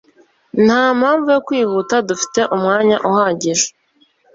Nta mpamvu yo kwihuta. Dufite umwanya uhagije.